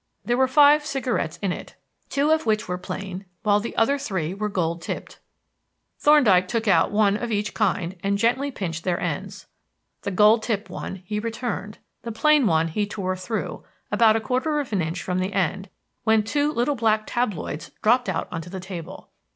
There were five cigarettes in it, two of which were plain, while the other three were gold tipped. Thorndyke took out one of each kind and gently pinched their ends. The gold tipped one he returned; the plain one he tore through, about a quarter of an inch from the end; when two little black tabloids dropped out on to the table.